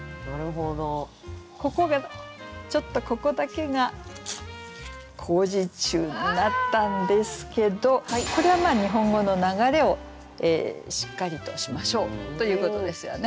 ここがちょっとここだけが工事中になったんですけどこれはまあ日本語の流れをしっかりとしましょうということですよね。